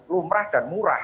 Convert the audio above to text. lumrah dan murah